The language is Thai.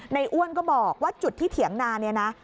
อ้วนก็บอกว่าจุดที่เถียงนาเนี่ยนะ